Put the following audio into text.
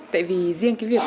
tại vì riêng cái việc